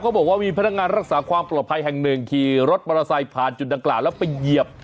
บอกว่ามีพนักงานรักษาความปลอดภัยแห่งหนึ่งขี่รถมอเตอร์ไซค์ผ่านจุดดังกล่าวแล้วไปเหยียบ